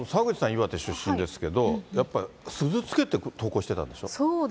岩手出身ですけど、やっぱり鈴つけて登校してたんでしょう。